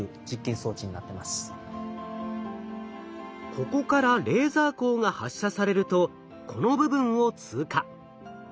ここからレーザー光が発射されるとこの部分を通過。